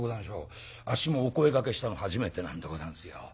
あっしもお声がけしたの初めてなんでござんすよ。